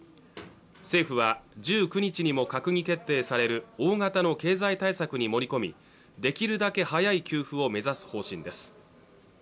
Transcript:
政府は１９日にも閣議決定される大型の経済対策に盛り込みできるだけ早い給付を目指す方針です